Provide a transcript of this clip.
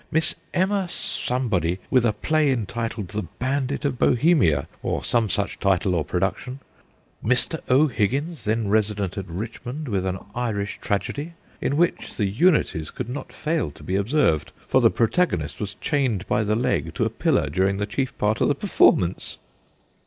. Miss Emma Somebody, with a play entitled the " Bandit of Bohemia," or some such title or production ; Mr. O'Higgins, then resident at Richmond, with an Irish tragedy, in which the unities could not fail to be observed, for the protagonist O'HIGGINS 103 was chained by the leg to a pillar during the chief part of the performance.'